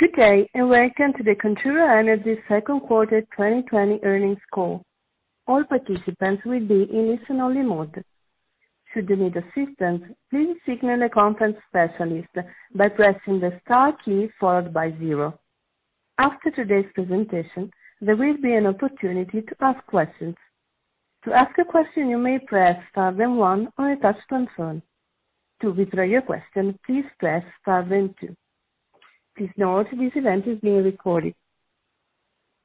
Good day, and welcome to the Contura Energy second quarter 2020 earnings call. I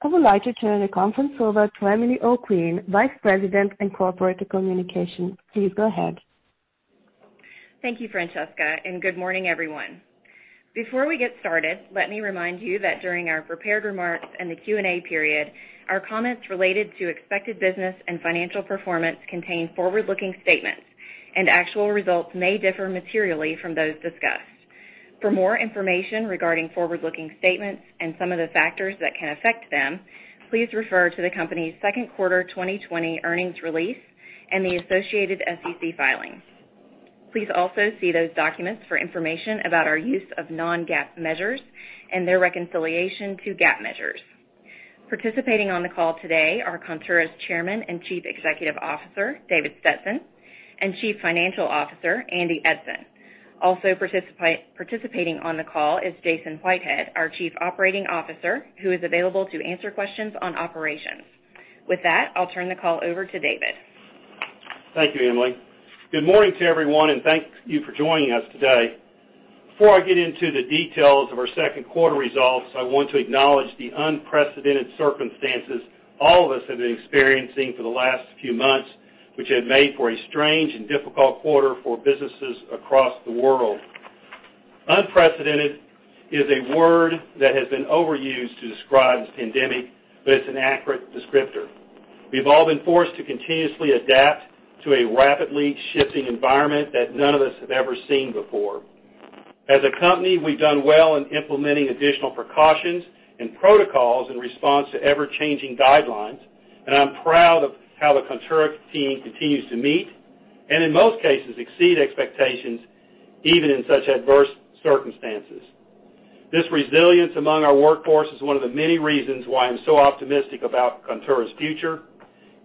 would like to turn the conference over to Emily O'Quinn, Vice President, Corporate Communications. Please go ahead. Thank you, Francesca. Good morning, everyone. Before we get started, let me remind you that during our prepared remarks and the Q&A period, our comments related to expected business and financial performance contain forward-looking statements, and actual results may differ materially from those discussed. For more information regarding forward-looking statements and some of the factors that can affect them, please refer to the company's second quarter 2020 earnings release and the associated SEC filings. Please also see those documents for information about our use of non-GAAP measures and their reconciliation to GAAP measures. Participating on the call today are Contura's Chairman and Chief Executive Officer, David Stetson, and Chief Financial Officer, Andy Eidson. Also participating on the call is Jason Whitehead, our Chief Operating Officer, who is available to answer questions on operations. With that, I'll turn the call over to David. Thank you, Emily. Good morning to everyone, and thank you for joining us today. Before I get into the details of our second quarter results, I want to acknowledge the unprecedented circumstances all of us have been experiencing for the last few months, which have made for a strange and difficult quarter for businesses across the world. Unprecedented is a word that has been overused to describe this pandemic, but it's an accurate descriptor. We've all been forced to continuously adapt to a rapidly shifting environment that none of us have ever seen before. As a company, we've done well in implementing additional precautions and protocols in response to ever-changing guidelines, and I'm proud of how the Contura team continues to meet, and in most cases, exceed expectations, even in such adverse circumstances. This resilience among our workforce is one of the many reasons why I'm so optimistic about Contura's future,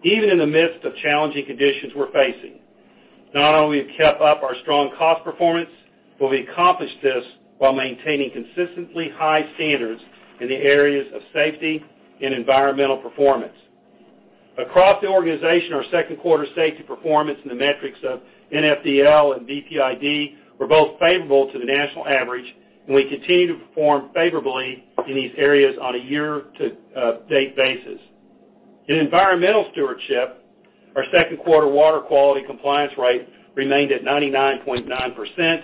even in the midst of challenging conditions we're facing. Not only have we kept up our strong cost performance, but we accomplished this while maintaining consistently high standards in the areas of safety and environmental performance. Across the organization, our second quarter safety performance in the metrics of NFDL and VPID were both favorable to the national average, and we continue to perform favorably in these areas on a year-to-date basis. In environmental stewardship, our second quarter water quality compliance rate remained at 99.9%,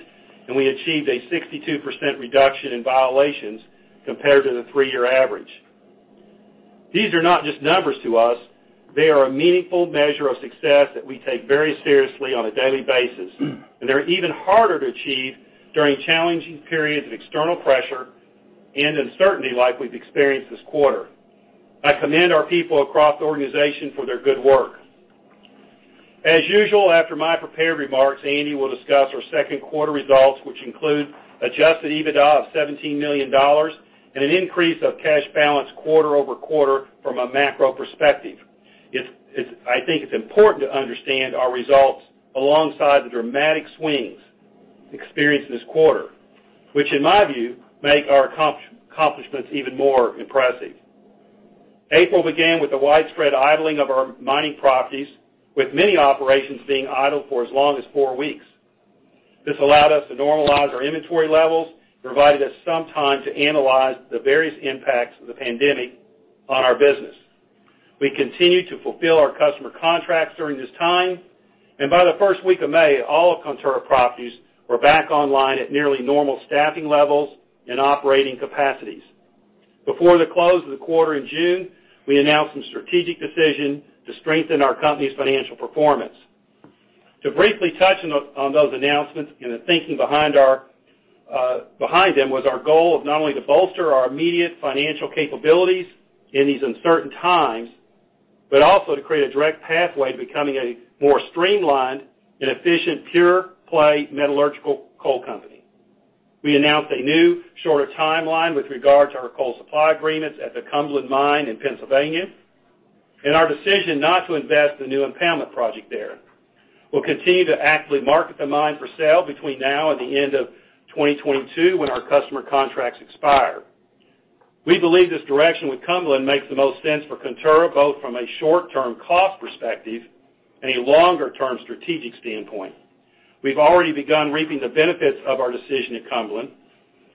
and we achieved a 62% reduction in violations compared to the three-year average. These are not just numbers to us. They are a meaningful measure of success that we take very seriously on a daily basis. They're even harder to achieve during challenging periods of external pressure and uncertainty like we've experienced this quarter. I commend our people across the organization for their good work. As usual, after my prepared remarks, Andy will discuss our second quarter results, which include adjusted EBITDA of $17 million and an increase of cash balance quarter-over-quarter from a macro perspective. I think it's important to understand our results alongside the dramatic swings experienced this quarter, which in my view, make our accomplishments even more impressive. April began with the widespread idling of our mining properties, with many operations being idled for as long as four weeks. This allowed us to normalize our inventory levels, provided us some time to analyze the various impacts of the pandemic on our business. We continued to fulfill our customer contracts during this time, by the first week of May, all of Contura properties were back online at nearly normal staffing levels and operating capacities. Before the close of the quarter in June, we announced some strategic decision to strengthen our company's financial performance. To briefly touch on those announcements and the thinking behind them was our goal of not only to bolster our immediate financial capabilities in these uncertain times, but also to create a direct pathway to becoming a more streamlined and efficient pure play metallurgical coal company. We announced a new shorter timeline with regard to our coal supply agreements at the Cumberland mine in Pennsylvania, our decision not to invest in a new impoundment project there. We'll continue to actively market the mine for sale between now and the end of 2022, when our customer contracts expire. We believe this direction with Cumberland makes the most sense for Contura, both from a short-term cost perspective and a longer-term strategic standpoint. We've already begun reaping the benefits of our decision at Cumberland.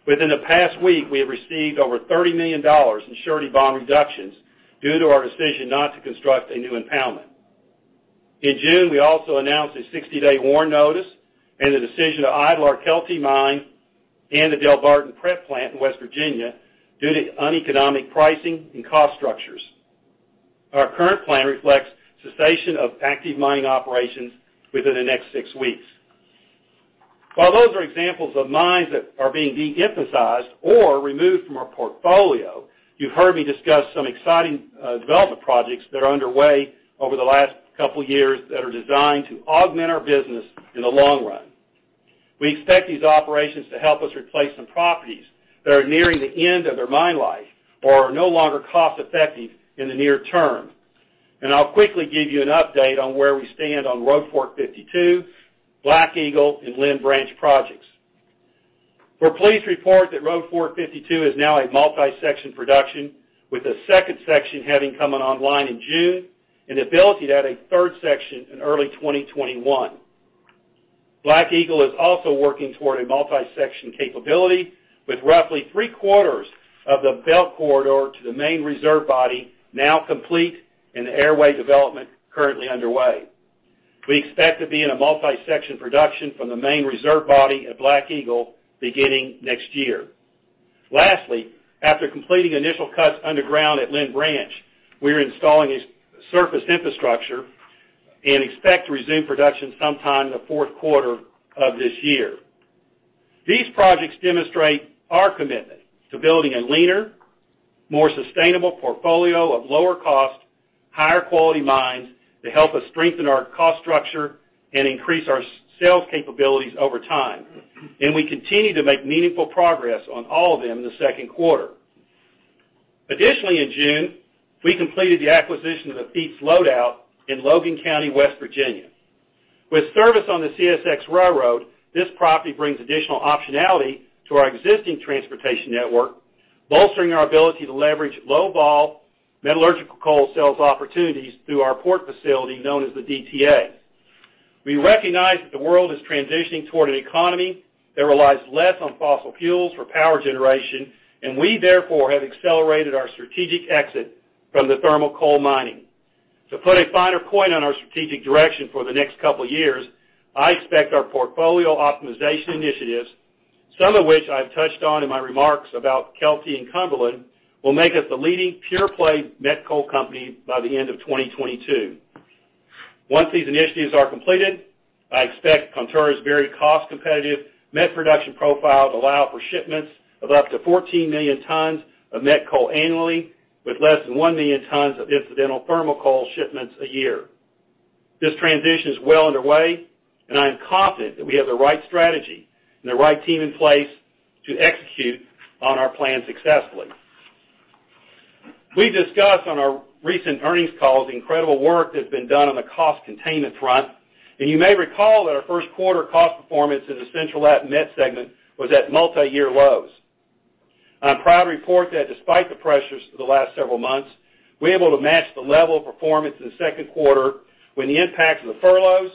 Within the past week, we have received over $30 million in surety bond reductions due to our decision not to construct a new impoundment. In June, we also announced a 60-day WARN notice and the decision to idle our Kielty mine and the Delbarton prep plant in West Virginia due to uneconomic pricing and cost structures. Our current plan reflects cessation of active mining operations within the next six weeks. While those are examples of mines that are being de-emphasized or removed from our portfolio. You've heard me discuss some exciting development projects that are underway over the last couple of years that are designed to augment our business in the long run. We expect these operations to help us replace some properties that are nearing the end of their mine life or are no longer cost-effective in the near term. I'll quickly give you an update on where we stand on Road Fork 52, Black Eagle, and Lynn Branch projects. We're pleased to report that Road Fork 52 is now a multi-section production, with the second section having come online in June and the ability to add a third section in early 2021. Black Eagle is also working toward a multi-section capability, with roughly three quarters of the belt corridor to the main reserve body now complete and the airway development currently underway. We expect to be in a multi-section production from the main reserve body at Black Eagle beginning next year. Lastly, after completing initial cuts underground at Lynn Branch, we are installing a surface infrastructure and expect to resume production sometime in the fourth quarter of this year. These projects demonstrate our commitment to building a leaner, more sustainable portfolio of lower cost, higher quality mines to help us strengthen our cost structure and increase our sales capabilities over time. We continue to make meaningful progress on all of them in the second quarter. Additionally, in June, we completed the acquisition of the Feats Loadout in Logan County, West Virginia. With service on the CSX railroad, this property brings additional optionality to our existing transportation network, bolstering our ability to leverage low-vol metallurgical coal sales opportunities through our port facility known as the DTA. We recognize that the world is transitioning toward an economy that relies less on fossil fuels for power generation. We therefore have accelerated our strategic exit from the thermal coal mining. To put a finer point on our strategic direction for the next couple of years, I expect our portfolio optimization initiatives, some of which I've touched on in my remarks about Kielty and Cumberland, will make us the leading pure play met coal company by the end of 2022. Once these initiatives are completed, I expect Contura's very cost-competitive met production profile to allow for shipments of up to 14 million tons of met coal annually, with less than 1 million tons of incidental thermal coal shipments a year. This transition is well underway. I am confident that we have the right strategy and the right team in place to execute on our plan successfully. We discussed on our recent earnings call the incredible work that's been done on the cost containment front, and you may recall that our first quarter cost performance in the Central App Met segment was at multi-year lows. I'm proud to report that despite the pressures of the last several months, we're able to match the level of performance in the second quarter when the impact of the furloughs,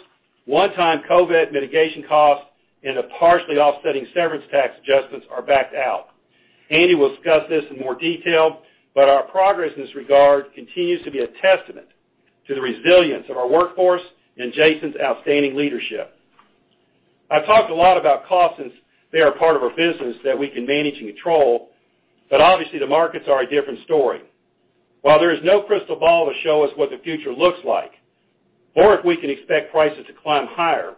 one-time COVID mitigation costs, and the partially offsetting severance tax adjustments are backed out. Andy will discuss this in more detail, but our progress in this regard continues to be a testament to the resilience of our workforce and Jason's outstanding leadership. I've talked a lot about costs since they are a part of our business that we can manage and control, but obviously, the markets are a different story. While there is no crystal ball to show us what the future looks like or if we can expect prices to climb higher,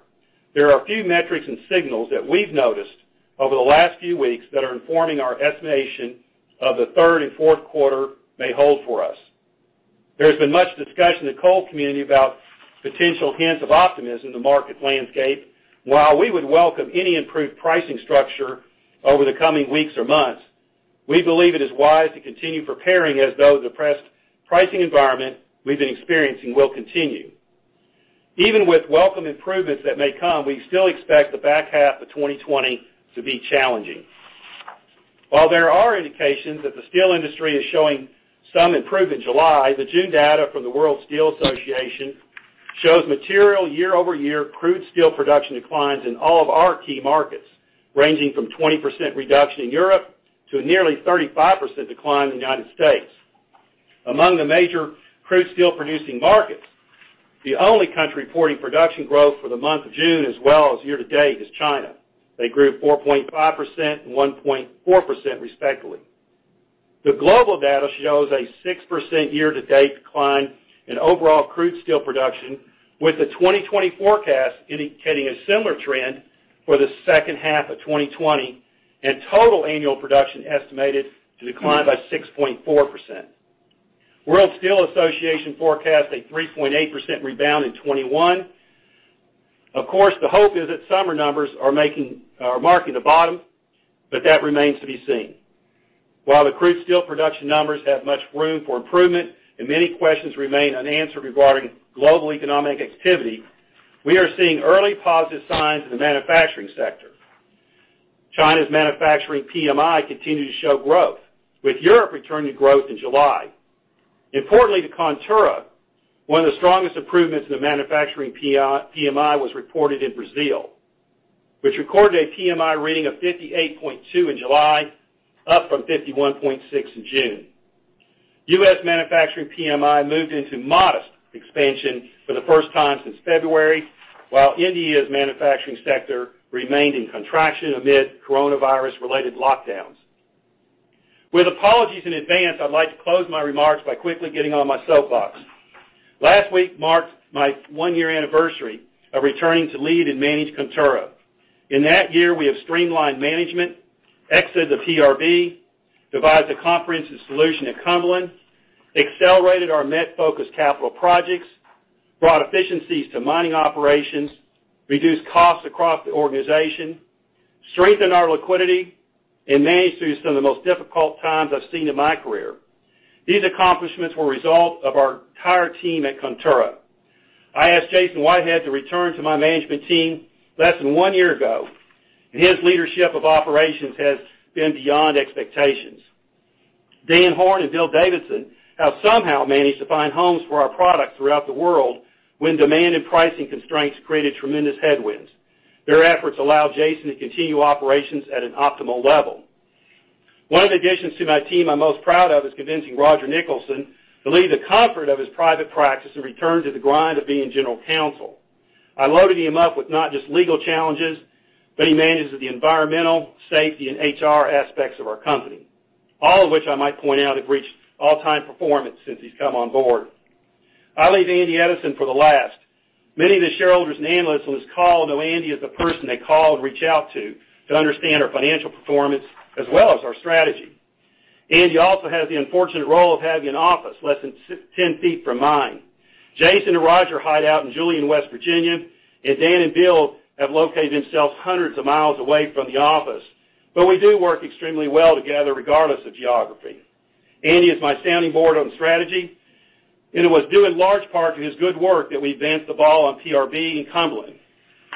there are a few metrics and signals that we've noticed over the last few weeks that are informing our estimation of the third and fourth quarter may hold for us. There's been much discussion in the coal community about potential hints of optimism in the market landscape. While we would welcome any improved pricing structure over the coming weeks or months, we believe it is wise to continue preparing as though the depressed pricing environment we've been experiencing will continue. Even with welcome improvements that may come, we still expect the back half of 2020 to be challenging. While there are indications that the steel industry is showing some improvement in July, the June data from the World Steel Association shows material year-over-year crude steel production declines in all of our key markets, ranging from 20% reduction in Europe to a nearly 35% decline in the United States. Among the major crude steel producing markets, the only country reporting production growth for the month of June as well as year-to-date is China. They grew 4.5% and 1.4% respectively. The global data shows a 6% year-to-date decline in overall crude steel production, with the 2020 forecast indicating a similar trend for the second half of 2020 and total annual production estimated to decline by 6.4%. World Steel Association forecasts a 3.8% rebound in 2021. Of course, the hope is that summer numbers are marking the bottom, but that remains to be seen. While the crude steel production numbers have much room for improvement and many questions remain unanswered regarding global economic activity, we are seeing early positive signs in the manufacturing sector. China's manufacturing PMI continued to show growth, with Europe returning to growth in July. Importantly to Contura, one of the strongest improvements in the manufacturing PMI was reported in Brazil, which recorded a PMI reading of 58.2% in July, up from 51.6% in June. U.S. manufacturing PMI moved into modest expansion for the first time since February, while India's manufacturing sector remained in contraction amid coronavirus-related lockdowns. With apologies in advance, I'd like to close my remarks by quickly getting on my soapbox. Last week marked my one-year anniversary of returning to lead and manage Contura. In that year, we have streamlined management, exited the PRB, devised a comprehensive solution at Cumberland, accelerated our met-focused capital projects, brought efficiencies to mining operations, reduced costs across the organization, strengthened our liquidity, and managed through some of the most difficult times I've seen in my career. These accomplishments were a result of our entire team at Contura. I asked Jason Whitehead to return to my management team less than one year ago. His leadership of operations has been beyond expectations. Dan Horn and Bill Davidson have somehow managed to find homes for our products throughout the world when demand and pricing constraints created tremendous headwinds. Their efforts allow Jason to continue operations at an optimal level. One of the additions to my team I'm most proud of is convincing Roger Nicholson to leave the comfort of his private practice and return to the grind of being general counsel. I loaded him up with not just legal challenges, but he manages the environmental, safety, and HR aspects of our company. All of which I might point out have reached all-time performance since he's come on board. I leave Andy Eidson for the last. Many of the shareholders and analysts on this call know Andy is the person they call and reach out to understand our financial performance as well as our strategy. Andy also has the unfortunate role of having an office less than 10 ft from mine. Jason and Roger hide out in Julian, West Virginia, and Dan and Bill have located themselves hundreds of miles away from the office. We do work extremely well together, regardless of geography. Andy is my sounding board on strategy, and it was due in large part to his good work that we advanced the ball on PRB and Cumberland.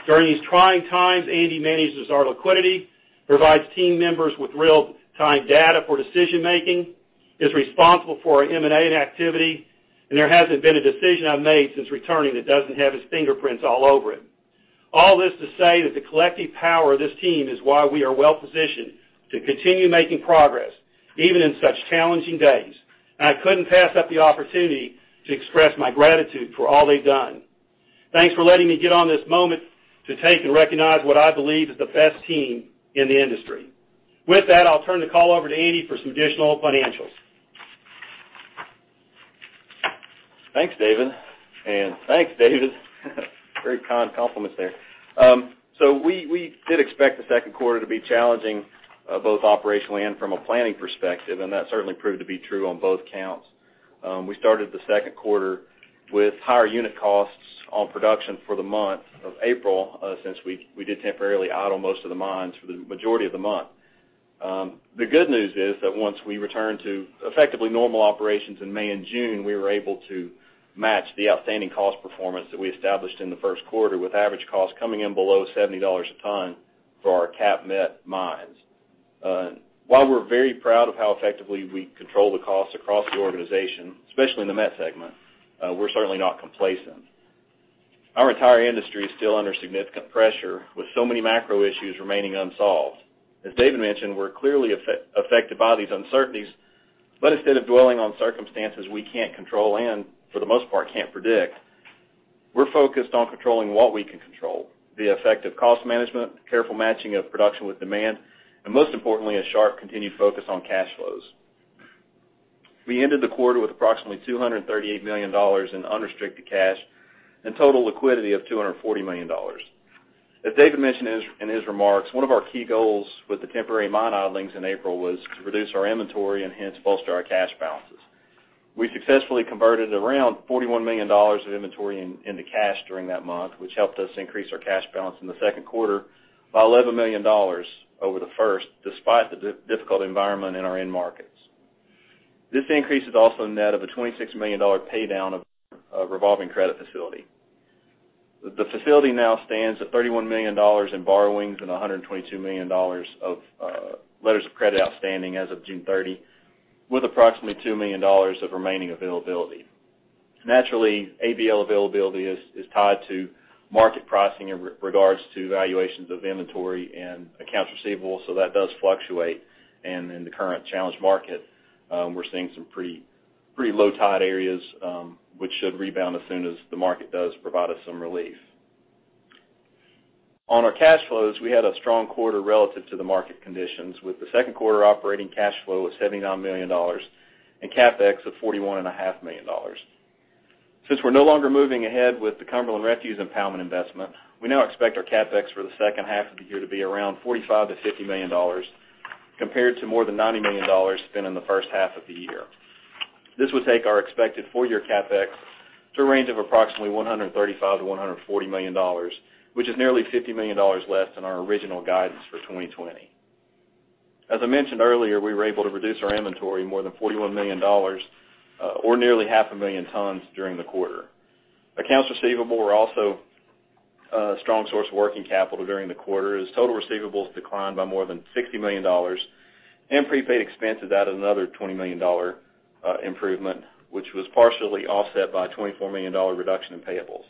During these trying times, Andy manages our liquidity, provides team members with real-time data for decision making, is responsible for our M&A activity, and there hasn't been a decision I've made since returning that doesn't have his fingerprints all over it. All this to say that the collective power of this team is why we are well-positioned to continue making progress, even in such challenging days. I couldn't pass up the opportunity to express my gratitude for all they've done. Thanks for letting me get on this moment to take and recognize what I believe is the best team in the industry. With that, I'll turn the call over to Andy for some additional financials. Thanks, David. Thanks, David. Very kind compliments there. We did expect the second quarter to be challenging, both operationally and from a planning perspective, and that certainly proved to be true on both counts. We started the second quarter with higher unit costs on production for the month of April, since we did temporarily idle most of the mines for the majority of the month. The good news is that once we returned to effectively normal operations in May and June, we were able to match the outstanding cost performance that we established in the first quarter, with average costs coming in below $70 a ton for our CAPP Met mines. While we're very proud of how effectively we control the costs across the organization, especially in the met segment, we're certainly not complacent. Our entire industry is still under significant pressure, with so many macro issues remaining unsolved. As David mentioned, we are clearly affected by these uncertainties, but instead of dwelling on circumstances we cannot control and, for the most part, cannot predict, we are focused on controlling what we can control. The effective cost management, careful matching of production with demand, and most importantly, a sharp, continued focus on cash flows. We ended the quarter with approximately $238 million in unrestricted cash and total liquidity of $240 million. As David mentioned in his remarks, one of our key goals with the temporary mine idlings in April was to reduce our inventory and hence bolster our cash balances. We successfully converted around $41 million of inventory into cash during that month, which helped us increase our cash balance in the second quarter by $11 million over the first, despite the difficult environment in our end markets. This increase is also net of a $26 million paydown of revolving credit facility. The facility now stands at $31 million in borrowings and $122 million of letters of credit outstanding as of June 30, with approximately $2 million of remaining availability. Naturally, ABL availability is tied to market pricing in regards to valuations of inventory and accounts receivable, so that does fluctuate. In the current challenged market, we're seeing some pretty low tide areas, which should rebound as soon as the market does provide us some relief. On our cash flows, we had a strong quarter relative to the market conditions, with the second quarter operating cash flow of $79 million and CapEx of $41.5 million. Since we're no longer moving ahead with the Cumberland Refuse Impoundment investment, we now expect our CapEx for the second half of the year to be around $45 million-$50 million, compared to more than $90 million spent in the first half of the year. This would take our expected full-year CapEx to a range of approximately $135 million-$140 million, which is nearly $50 million less than our original guidance for 2020. As I mentioned earlier, we were able to reduce our inventory more than $41 million, or nearly half a million tons, during the quarter. Accounts receivable were also a strong source of working capital during the quarter, as total receivables declined by more than $60 million, and prepaid expenses added another $20 million improvement, which was partially offset by a $24 million reduction in payables.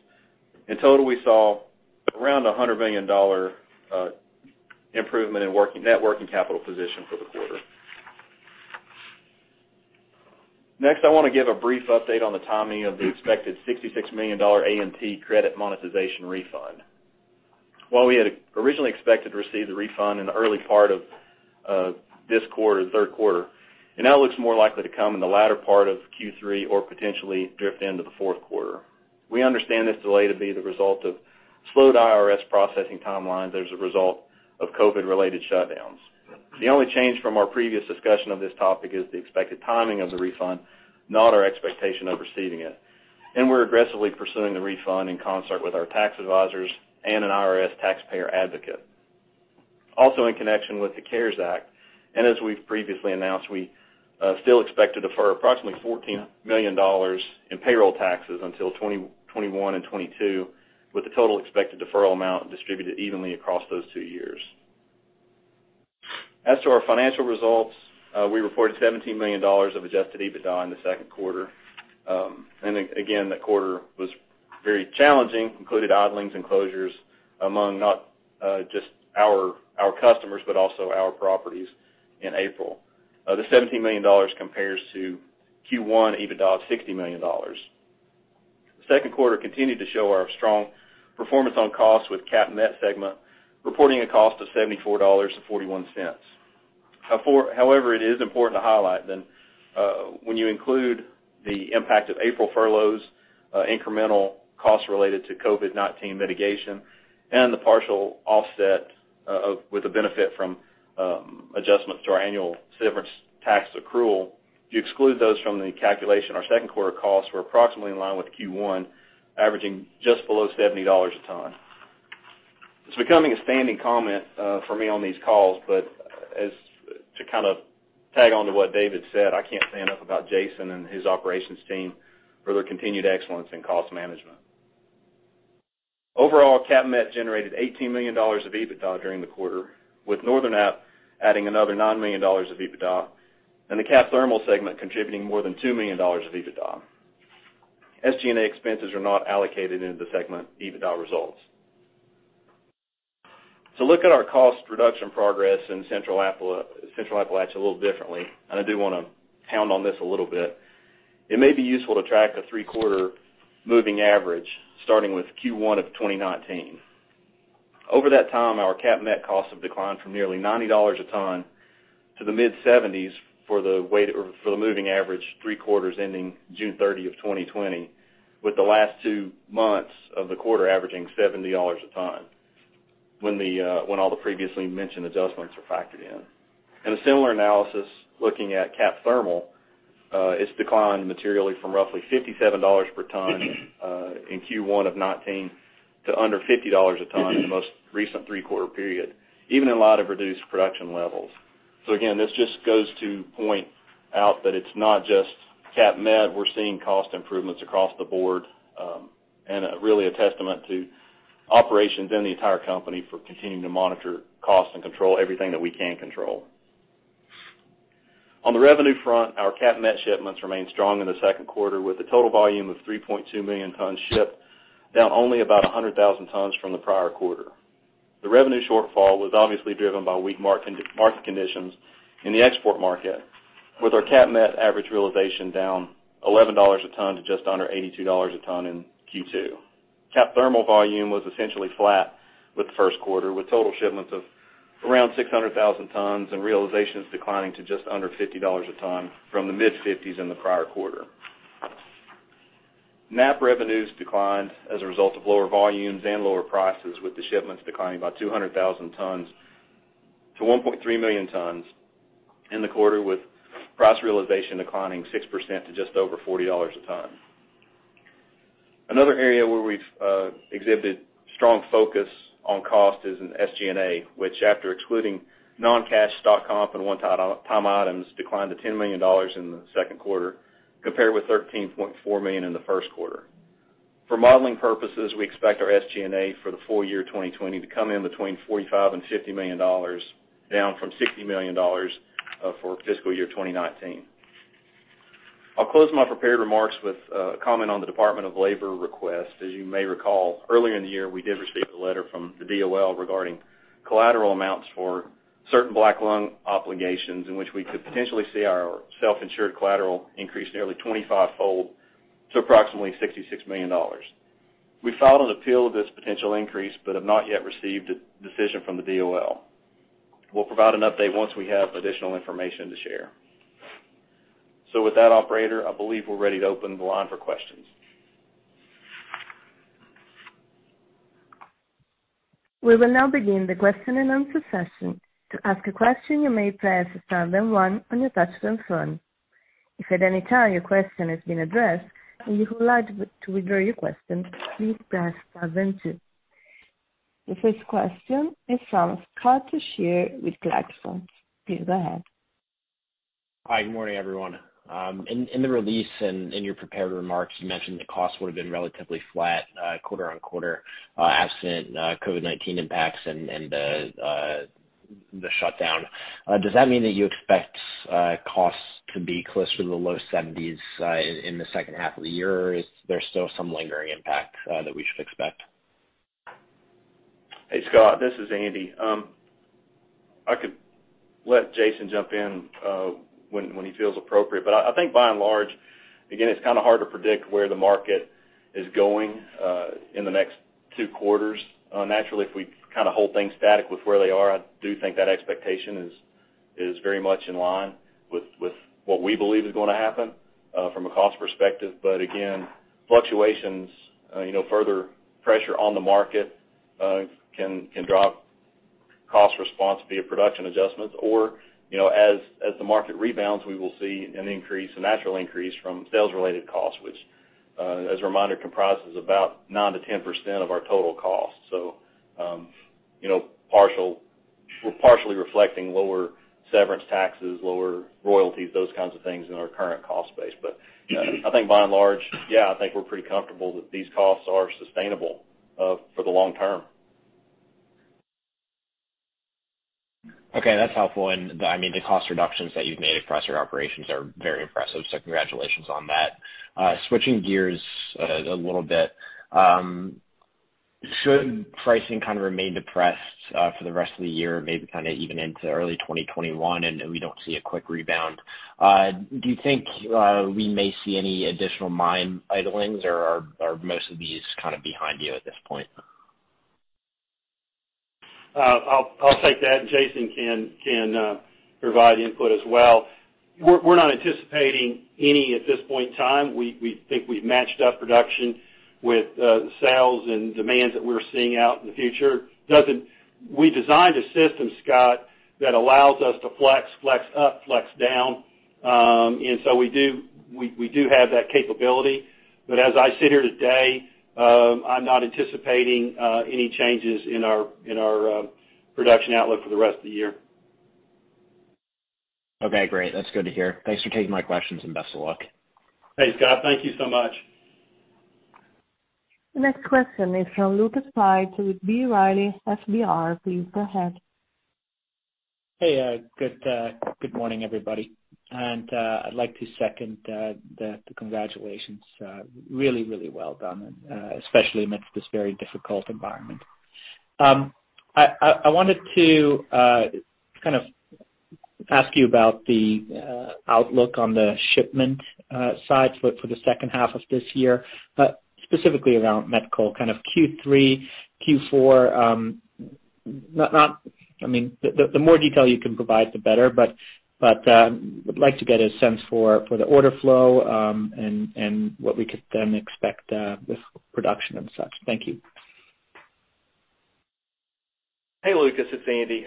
In total, we saw around $100 million improvement in net working capital position for the quarter. Next, I want to give a brief update on the timing of the expected $66 million AMT credit monetization refund. While we had originally expected to receive the refund in the early part of this quarter, the third quarter, it now looks more likely to come in the latter part of Q3 or potentially drift into the fourth quarter. We understand this delay to be the result of slowed IRS processing timelines as a result of COVID-related shutdowns. The only change from our previous discussion of this topic is the expected timing of the refund, not our expectation of receiving it. We're aggressively pursuing the refund in concert with our tax advisors and an IRS taxpayer advocate. Also in connection with the CARES Act, as we've previously announced, we still expect to defer approximately $14 million in payroll taxes until 2021 and 2022, with the total expected deferral amount distributed evenly across those two years. As to our financial results, we reported $17 million of adjusted EBITDA in the second quarter. Again, the quarter was very challenging, included idlings and closures among not just our customers, but also our properties in April. The $17 million compares to Q1 EBITDA of $60 million. The second quarter continued to show our strong performance on costs with CAPP Met segment, reporting a cost of $74.41. However, it is important to highlight that when you include the impact of April furloughs, incremental costs related to COVID-19 mitigation, and the partial offset with the benefit from adjustments to our annual severance tax accrual. If you exclude those from the calculation, our second quarter costs were approximately in line with Q1, averaging just below $70 a ton. It's becoming a standing comment for me on these calls, but to kind of tag on to what David said, I can't say enough about Jason and his operations team for their continued excellence in cost management. Overall, CAPP Met generated $18 million of EBITDA during the quarter, with Northern App adding another $9 million of EBITDA, and the CAPP Thermal segment contributing more than $2 million of EBITDA. SG&A expenses are not allocated into the segment EBITDA results. To look at our cost reduction progress in Central Appalachia a little differently, I do want to pound on this a little bit. It may be useful to track a three-quarter moving average, starting with Q1 of 2019. Over that time, our CAPP Met costs have declined from nearly $90 a ton to the mid-$70s for the moving average three quarters ending June 30, 2020, with the last two months of the quarter averaging $70 a ton when all the previously mentioned adjustments are factored in. In a similar analysis, looking at CAPP Thermal, it's declined materially from roughly $57 per ton in Q1 of 2019 to under $50 a ton in the most recent three-quarter period, even in light of reduced production levels. Again, this just goes to point out that it's not just CAPP Met. We're seeing cost improvements across the board, and really a testament to operations in the entire company for continuing to monitor costs and control everything that we can control. On the revenue front, our CAPP Met shipments remained strong in the second quarter with a total volume of 3.2 million tons shipped, down only about 100,000 tons from the prior quarter. The revenue shortfall was obviously driven by weak market conditions in the export market, with our CAPP Met average realization down $11 a ton to just under $82 a ton in Q2. CAPP Thermal volume was essentially flat with the first quarter, with total shipments of around 600,000 tons and realizations declining to just under $50 a ton from the mid-$50s in the prior quarter. NAPP revenues declined as a result of lower volumes and lower prices, with the shipments declining about 200,000 tons to 1.3 million tons in the quarter, with price realization declining 6% to just over $40 a ton. Another area where we've exhibited strong focus on cost is in SG&A, which after excluding non-cash stock comp and one-time items, declined to $10 million in the second quarter, compared with $13.4 million in the first quarter. For modeling purposes, we expect our SG&A for the full year 2020 to come in between $45 million and $50 million, down from $60 million for fiscal year 2019. I'll close my prepared remarks with a comment on the Department of Labor request. As you may recall, earlier in the year, we did receive a letter from the DOL regarding collateral amounts for certain black lung obligations in which we could potentially see our self-insured collateral increase nearly 25-fold to approximately $66 million. We filed an appeal of this potential increase but have not yet received a decision from the DOL. We'll provide an update once we have additional information to share. With that, operator, I believe we're ready to open the line for questions. We will now begin the question and answer session. To ask a question, you may press star then one on your touchtone phone. If at any time your question has been addressed and you would like to withdraw your question, please press star then two. The first question is from Scott Schier with Clarksons. Please go ahead. Hi, good morning, everyone. In the release and in your prepared remarks, you mentioned the costs would have been relatively flat quarter-on-quarter absent COVID-19 impacts and the shutdown. Does that mean that you expect costs to be close to the low 70s in the second half of the year, or is there still some lingering impact that we should expect? Hey, Scott. This is Andy. I could let Jason jump in when he feels appropriate. I think by and large, again, it's hard to predict where the market is going in the next two quarters. Naturally, if we hold things static with where they are, I do think that expectation is very much in line with what we believe is going to happen from a cost perspective. Again, fluctuations, further pressure on the market can drive cost response via production adjustments or, as the market rebounds, we will see a natural increase from sales-related costs, which, as a reminder, comprises about 9%-10% of our total cost. We're partially reflecting lower severance taxes, lower royalties, those kinds of things in our current cost base. I think by and large, yeah, I think we're pretty comfortable that these costs are sustainable for the long term. Okay. That's helpful. The cost reductions that you've made across your operations are very impressive. Congratulations on that. Switching gears a little bit. Should pricing remain depressed for the rest of the year, maybe even into early 2021, and we don't see a quick rebound, do you think we may see any additional mine idlings, or are most of these behind you at this point? I'll take that, and Jason can provide input as well. We're not anticipating any at this point in time. We think we've matched up production with the sales and demands that we're seeing out in the future. We designed a system, Scott, that allows us to flex up, flex down. We do have that capability. As I sit here today, I'm not anticipating any changes in our production outlook for the rest of the year. Okay, great. That's good to hear. Thanks for taking my questions, and best of luck. Thanks, Scott. Thank you so much. The next question is from Lucas Pipes with B. Riley Securities. Please go ahead. Hey. Good morning, everybody. I'd like to second the congratulations. Really, really well done, especially amidst this very difficult environment. I wanted to ask you about the outlook on the shipment side for the second half of this year, specifically around met coal, Q3, Q4. The more detail you can provide, the better, but I'd like to get a sense for the order flow, and what we could then expect with production and such. Thank you. Hey, Lucas. It's Andy.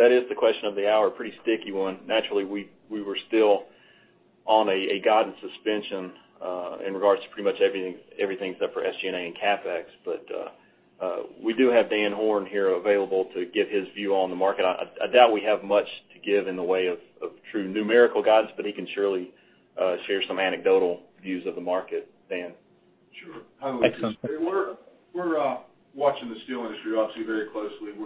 That is the question of the hour. Pretty sticky one. Naturally, we were still on a guidance suspension in regards to pretty much everything except for SG&A and CapEx. We do have Dan Horn here available to give his view on the market. I doubt we have much to give in the way of true numerical guidance, but he can surely share some anecdotal views of the market. Dan? Sure. Hi, Lucas. We're watching the steel industry, obviously, very closely.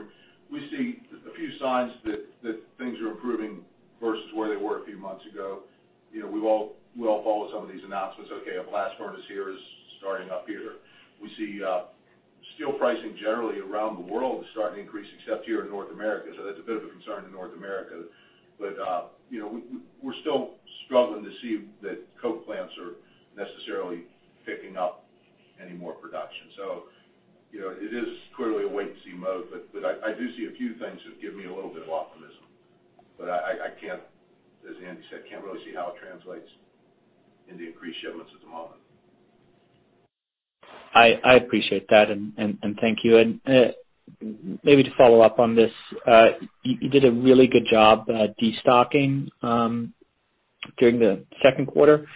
We see a few signs that things are improving versus where they were a few months ago. We all follow some of these announcements. Okay, a blast furnace here is starting up here. We see steel pricing generally around the world is starting to increase except here in North America. That's a bit of a concern in North America. We're still struggling to see that coke plants are necessarily picking up any more production. It is clearly a wait-and-see mode, but I do see a few things that give me a little bit of optimism. I can't, as Andy said, can't really see how it translates into increased shipments at the moment. I appreciate that, and thank you. Maybe to follow up on this, you did a really good job destocking during the second quarter.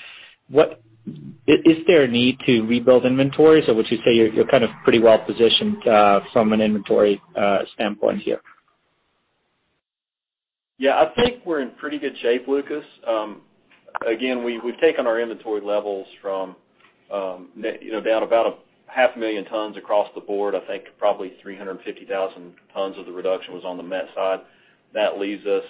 Is there a need to rebuild inventories, or would you say you're pretty well positioned from an inventory standpoint here? Yeah, I think we're in pretty good shape, Lucas. We've taken our inventory levels from down about a 500,000 tons across the board. I think probably 350,000 tons of the reduction was on the met side. That leaves us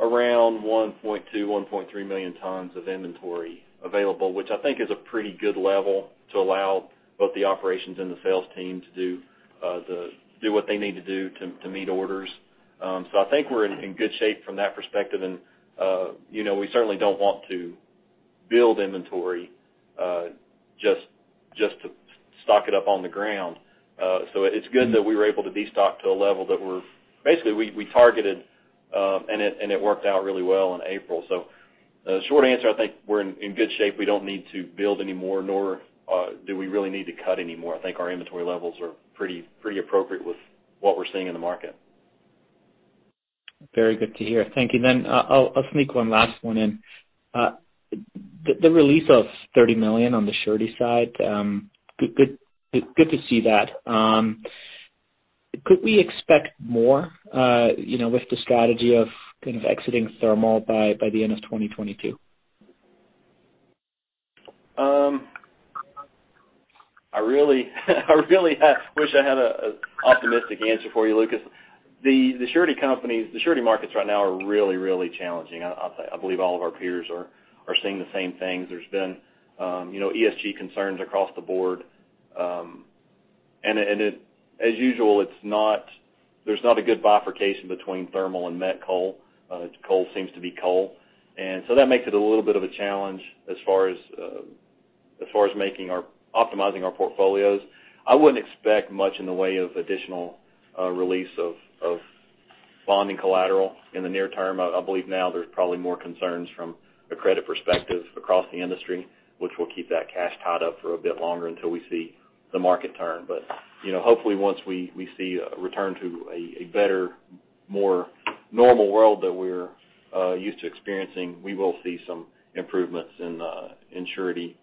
around 1.2 million, 1.3 million tons of inventory available, which I think is a pretty good level to allow both the operations and the sales team to do what they need to do to meet orders. I think we're in good shape from that perspective. We certainly don't want to build inventory just to stock it up on the ground. It's good that we were able to destock to a level that basically, we targeted, it worked out really well in April. The short answer, I think we're in good shape. We don't need to build any more, nor do we really need to cut any more. I think our inventory levels are pretty appropriate with what we're seeing in the market. Very good to hear. Thank you. I'll sneak one last one in. The release of $30 million on the surety side, good to see that. Could we expect more with the strategy of exiting thermal by the end of 2022? I really wish I had an optimistic answer for you, Lucas. The surety markets right now are really challenging. I believe all of our peers are seeing the same things. There's been ESG concerns across the board. As usual, there's not a good bifurcation between thermal and met coal. Coal seems to be coal. That makes it a little bit of a challenge as far as optimizing our portfolios. I wouldn't expect much in the way of additional release of bonding collateral in the near term. I believe now there's probably more concerns from a credit perspective across the industry, which will keep that cash tied up for a bit longer until we see the market turn. Hopefully once we see a return to a better, more normal world that we're used to experiencing, we will see some improvements in surety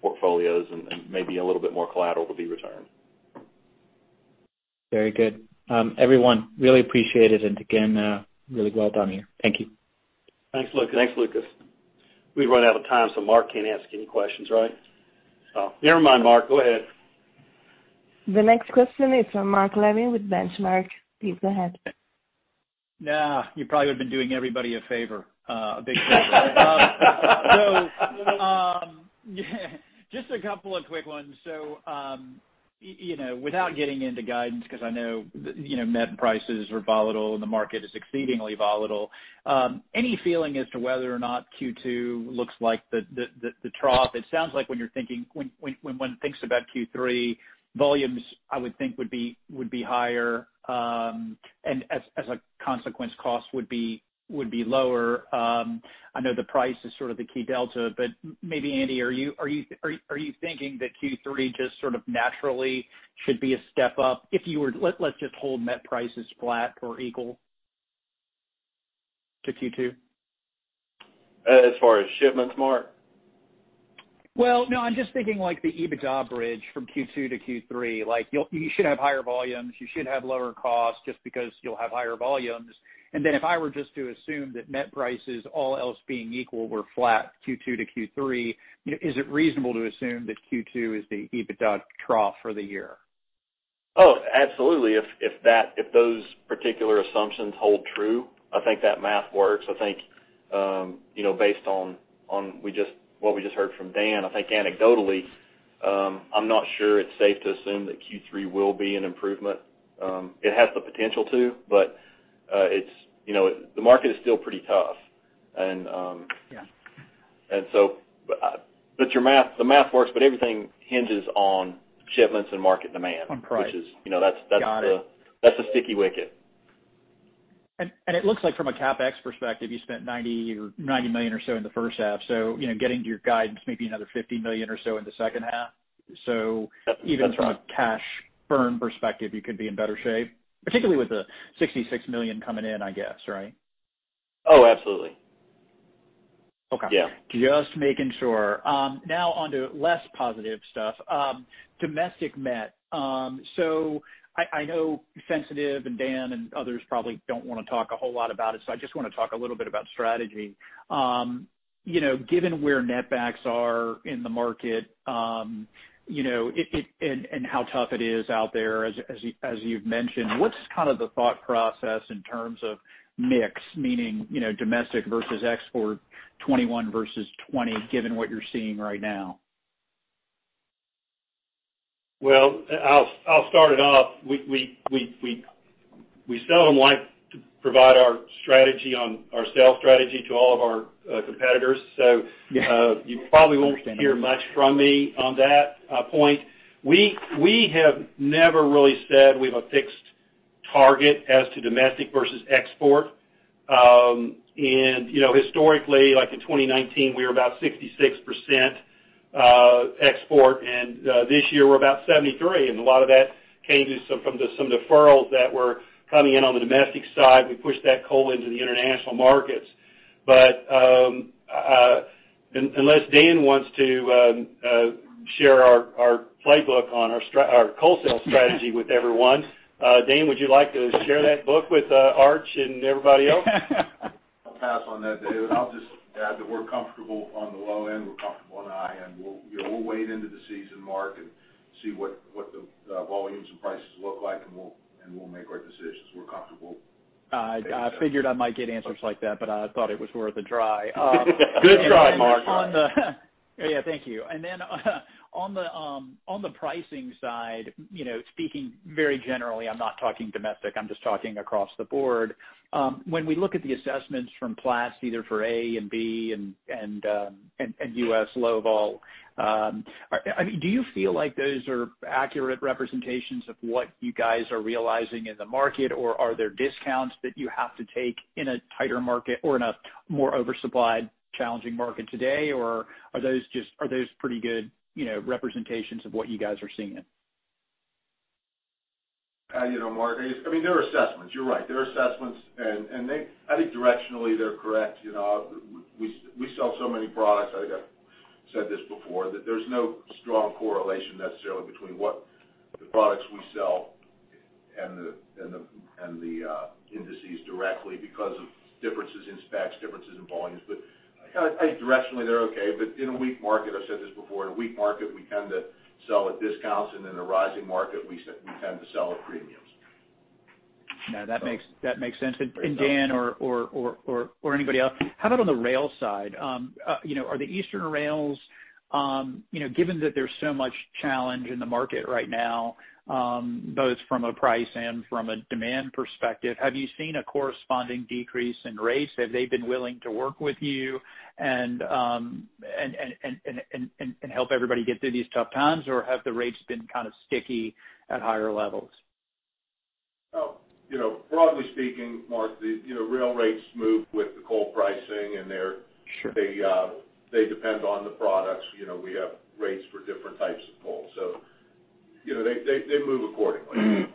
portfolios and maybe a little bit more collateral to be returned. Very good. Everyone, really appreciate it. Again, really well done here. Thank you. Thanks, Lucas. Thanks, Lucas. We've run out of time, so Mark can't ask any questions, right? Oh, never mind, Mark, go ahead. The next question is from Mark Levin with Benchmark. Please go ahead. Nah, you probably have been doing everybody a favor. A big favor. Just a couple of quick ones. Without getting into guidance, because I know met prices are volatile and the market is exceedingly volatile. Any feeling as to whether or not Q2 looks like the trough? It sounds like when one thinks about Q3, volumes, I would think, would be higher, and as a consequence, cost would be lower. I know the price is sort of the key delta, but maybe Andy, are you thinking that Q3 just sort of naturally should be a step up? Let's just hold met prices flat or equal to Q2. As far as shipments, Mark? Well, no, I'm just thinking like the EBITDA bridge from Q2 to Q3. You should have higher volumes, you should have lower costs just because you'll have higher volumes. If I were just to assume that met prices, all else being equal, were flat Q2 to Q3, is it reasonable to assume that Q2 is the EBITDA trough for the year? Oh, absolutely. If those particular assumptions hold true, I think that math works. I think, based on what we just heard from Dan, I think anecdotally, I'm not sure it's safe to assume that Q3 will be an improvement. It has the potential to, but the market is still pretty tough. Yeah. The math works, but everything hinges on shipments and market demand. On price. That's the- Got it. that's the sticky wicket. It looks like from a CapEx perspective, you spent $90 million or so in the first half, so getting to your guidance, maybe another $50 million or so in the second half. So even. That's right. from a cash burn perspective, you could be in better shape, particularly with the $66 million coming in, I guess, right? Oh, absolutely. Okay. Yeah. Just making sure. Now on to less positive stuff. Domestic met. I know sensitive, and Dan and others probably don't want to talk a whole lot about it, so I just want to talk a little bit about strategy. Given where netbacks are in the market, and how tough it is out there, as you've mentioned, what's kind of the thought process in terms of mix, meaning, domestic versus export 2021 versus 2020, given what you're seeing right now? Well, I'll start it off. We seldom like to provide our sales strategy to all of our competitors. Yeah. You probably won't hear much from me on that point. We have never really said we have a fixed target as to domestic versus export. Historically, like in 2019, we were about 66% export, and this year we're about 73%, and a lot of that came from some deferrals that were coming in on the domestic side. We pushed that coal into the international markets. Unless Dan wants to share our playbook on our coal sales strategy with everyone. Dan, would you like to share that book with Arch and everybody else? I'll pass on that, David. I'll just add that we're comfortable on the low end, we're comfortable on the high end. We'll wait into the season, Mark, and see what the volumes and prices look like, and we'll make our decisions. We're comfortable. I figured I might get answers like that, but I thought it was worth a try. Good try, Mark. Yeah. Thank you. On the pricing side, speaking very generally, I'm not talking domestic, I'm just talking across the board. When we look at the assessments from Platts, either for A and B and U.S. low-vol, do you feel like those are accurate representations of what you guys are realizing in the market or are there discounts that you have to take in a tighter market or in a more oversupplied challenging market today, or are those pretty good representations of what you guys are seeing it? Mark, they're assessments. You're right. They're assessments. I think directionally they're correct. We sell so many products. I think I've said this before, that there's no strong correlation necessarily between what the products we sell and the indices directly because of differences in specs, differences in volumes. I think directionally they're okay. In a weak market, I've said this before, in a weak market, we tend to sell at discounts, and in a rising market, we tend to sell at premiums. No, that makes sense. Dan or anybody else, how about on the rail side? Are the eastern rails given that there's so much challenge in the market right now, both from a price and from a demand perspective, have you seen a corresponding decrease in rates? Have they been willing to work with you and help everybody get through these tough times, or have the rates been kind of sticky at higher levels? Broadly speaking, Mark, the rail rates move with the coal pricing. Sure they depend on the products. We have rates for different types of coal. They move accordingly.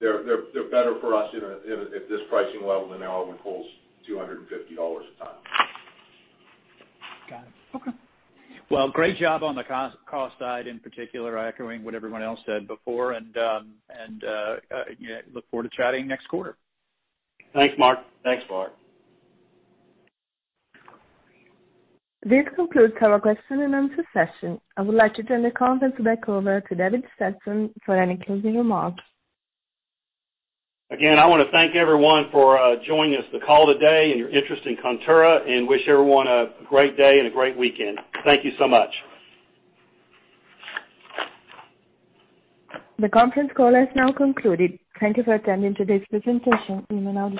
They're better for us at this pricing level than they are when coal's $250 a ton. Got it. Okay. Well, great job on the cost side, in particular, echoing what everyone else said before. Look forward to chatting next quarter. Thanks, Mark. Thanks, Mark. This concludes our question and answer session. I would like to turn the conference back over to David Stetson for any closing remarks. Again, I want to thank everyone for joining us for the call today and your interest in Contura, and wish everyone a great day and a great weekend. Thank you so much. The conference call has now concluded. Thank you for attending today's presentation. You may now disconnect.